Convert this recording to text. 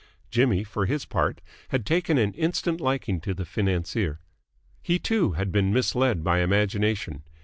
Jimmy, for his part, had taken an instant liking to the financier. He, too, had been misled by imagination.